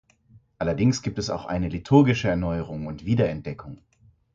Allerdings gibt es auch eine liturgische Erneuerung und Wiederentdeckung.